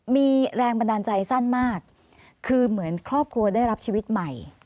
มีแรงบันดาลใจสั้นมากคือเหมือนครอบครัวได้รับชีวิตใหม่